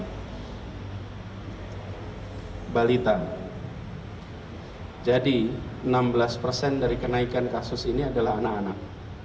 pada balita jadi enam belas persen dari kenaikan kasus ini adalah anak anak